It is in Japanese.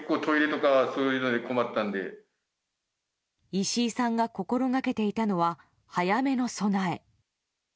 石井さんが心がけていたのは早めの備え。